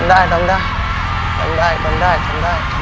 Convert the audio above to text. คุณยายและคุณหลานช่วยกันสามแรงแข็งขันครับคุณผู้ชม